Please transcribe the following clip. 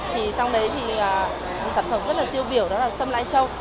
thì trong đấy thì một sản phẩm rất là tiêu biểu đó là sâm lai châu